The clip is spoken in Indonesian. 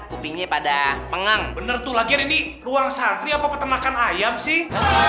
kupingnya pada pengang bener tuh lagian ini ruang santri apa peternakan ayam sih